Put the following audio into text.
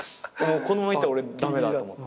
このままいったら俺駄目だと思って。